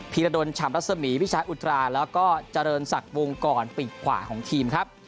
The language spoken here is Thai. ีรดลฉ่ำรัศมีพี่ชายอุตราแล้วก็เจริญศักดิ์วงกรปีกขวาของทีมครับ